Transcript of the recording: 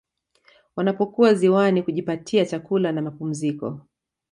Wanapokuwa ziwani kujipatia chakula na mapumziko